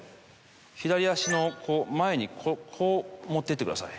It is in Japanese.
左足の前にこう持ってってください。